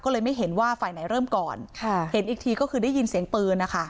ก็เลยไม่เห็นว่าฝ่ายไหนเริ่มก่อนค่ะเห็นอีกทีก็คือได้ยินเสียงปืนนะคะ